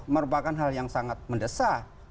merupakan hal yang sangat mendesak